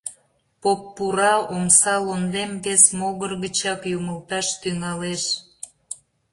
Поп пура, омса лондем вес могыр гычак юмылташ тӱҥалеш.